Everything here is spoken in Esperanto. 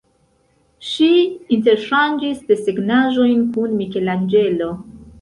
Ŝi interŝanĝis desegnaĵojn kun Mikelanĝelo.